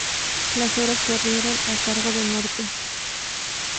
Las obras corrieron a cargo de Norte.